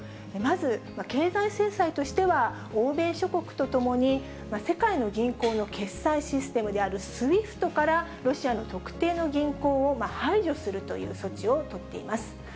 まず、経済制裁としては、欧米諸国と共に、世界の銀行の決済システムであるＳＷＩＦＴから、ロシアの特定の銀行を排除するという措置を取っています。